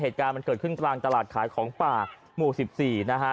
เหตุการณ์มันเกิดขึ้นกลางตลาดขายของป่าหมู่๑๔นะฮะ